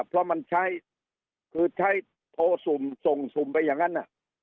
เพราะมันใช้คือใช้โทรสุ่มส่งสุ่มไปอย่างนั้น